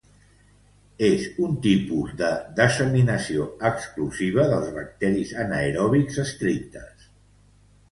És un tipus de desaminació exclusiva dels bacteris anaeròbics estrictes.